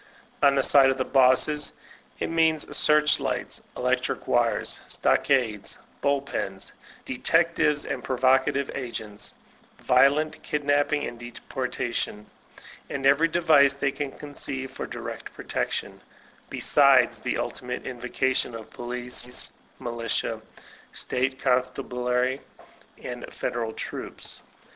On the side of the bosses, it means search lights, elec tric wires, stockades, bull pens, detectives and provoca tive agents, violent kidnapping and deportation, and every device they can conceive for direct protection, besides the ultimate invocation of police, militia. State constab ulary, and federal troops.